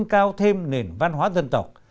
đừng cao thêm nền văn hóa dân tộc